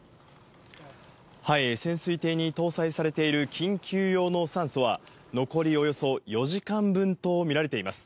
潜水艇に搭載されている緊急用の酸素は、残りおよそ４時間分と見られています。